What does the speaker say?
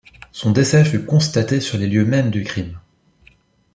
Son décès fut constaté sur les lieux même du crime.